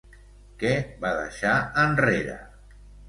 Què va deixar enrere?